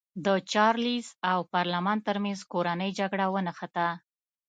د چارلېز او پارلمان ترمنځ کورنۍ جګړه ونښته.